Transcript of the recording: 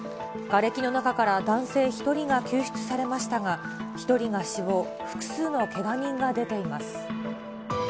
がれきの中から男性１人が救出されましたが、１人が死亡、複数のけが人が出ています。